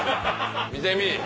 見てみぃ。